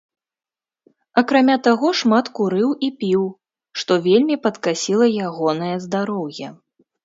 Акрамя таго, шмат курыў і піў, што вельмі падкасіла ягонае здароўе.